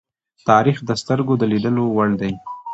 تاریخ د سترگو د لیدلو وړ دی.